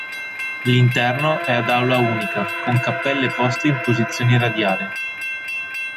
L'interno è ad aula unica, con cappelle poste in posizione radiale.